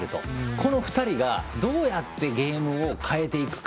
この２人が、どうゲームを変えていくか